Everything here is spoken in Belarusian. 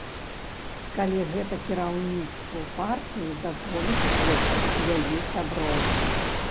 Калі гэта кіраўніцтву партыі дазволіць большасць яе сяброў.